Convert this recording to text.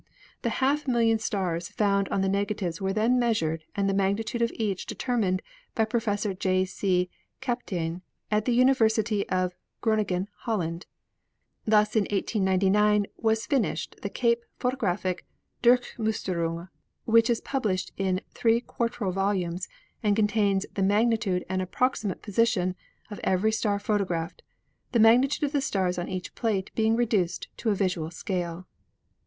The half million stars found on the negatives were then measured and the magnitude of each determined by Professor J. C. Kapteyn at the Univer sity of Groningen, Holland. Thus in 1899 was finished the Cape photographic "Durchmusterung," which is published in three quarto volumes and contains the magnitude and approximate position of every star photographed, the mag nitude of the stars on each plate being reduced to a visual scale.